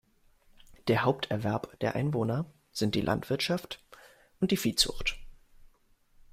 Der Haupterwerb der Einwohner sind die Landwirtschaft und die Viehzucht.